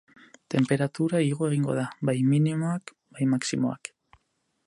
Tenperatura igo egingo da, bai minimoak bai maximoak.